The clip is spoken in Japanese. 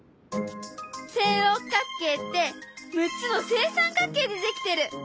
正六角形って６つの正三角形で出来てる！